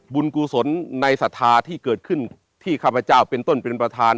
กุศลในศรัทธาที่เกิดขึ้นที่ข้าพเจ้าเป็นต้นเป็นประธาน